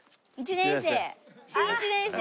新１年生。